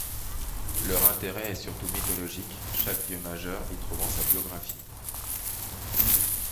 Leur intérêt est surtout mythologique, chaque dieu majeur y trouvant sa biographie.